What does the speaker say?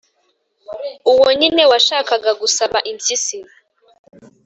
uwo nyine washakaga gusaba impyisi.